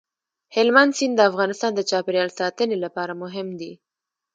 هلمند سیند د افغانستان د چاپیریال ساتنې لپاره مهم دي.